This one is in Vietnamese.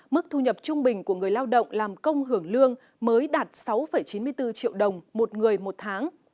mức thu nhập trung bình của người lao động làm công hưởng lương mới đạt sáu chín mươi bốn triệu đồng một người một tháng